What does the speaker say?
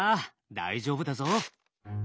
大丈夫だぞ。